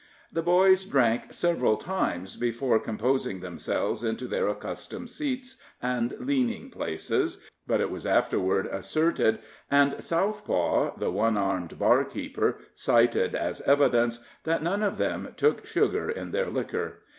The boys drank several times before composing themselves into their accustomed seats and leaning places; but it was afterward asserted and Southpaw the one armed bar keeper cited as evidence, that none of them took sugar in their liquor.